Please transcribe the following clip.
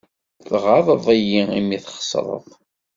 Tɣaḍeḍ-iyi imi txeṣṛeḍ.